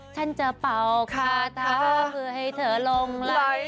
ฉันจะเป่าคาเท้าเพื่อให้เธอลงไหล